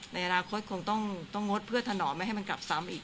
ในอนาคตคงต้องงดเพื่อถนอมไม่ให้มันกลับซ้ำอีก